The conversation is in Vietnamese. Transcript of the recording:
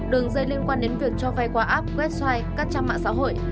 đường dây liên quan đến việc cho vay qua app website các trang mạng xã hội